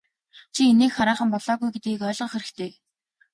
Чи инээх хараахан болоогүй гэдгийг ойлгох хэрэгтэй.